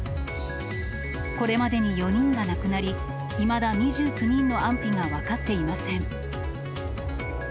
これまでに４人が亡くなり、いまだ２９人の安否が分かっていません。